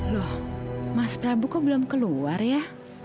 loh mas prabu kok belum keluar ya